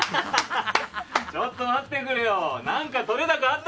ちょっと待ってくれよ。